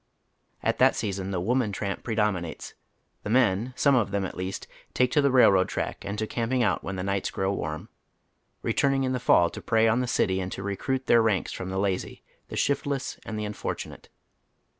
At that season the woman tramp predominates. The men, some of them at least, take to the I'ailroad track and to camping out when the nights grow warm, re turning in the fall to prey on the city and to recruit their ranks from the lazy, the shiftless, and the unfortu nate.